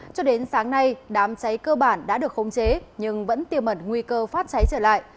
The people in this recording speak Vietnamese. cho đến sáng nay đám cháy cơ bản đã được khống chế nhưng vẫn tiềm ẩn nguy cơ phát cháy trở lại